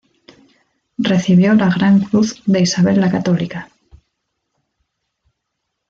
Recibió la Gran Cruz de Isabel la Católica.